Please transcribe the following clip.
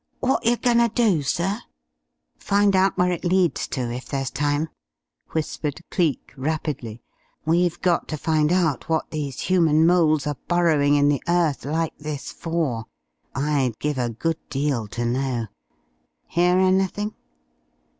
"What yer goin' ter do, sir?" "Find out where it leads to if there's time," whispered Cleek rapidly. "We've got to find out what these human moles are burrowing in the earth like this for. I'd give a good deal to know. Hear anything?"